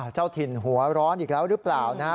เจ้าถิ่นหัวร้อนอีกแล้วหรือเปล่านะฮะ